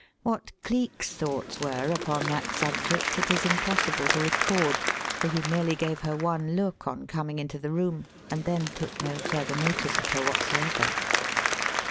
What Cleek's thoughts were upon that subject it is impossible to record; for he merely gave her one look on coming into the room, and then took no further notice of her whatsoever.